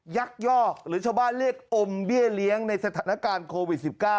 ยักยอกหรือชาวบ้านเรียกอมเบี้ยเลี้ยงในสถานการณ์โควิด๑๙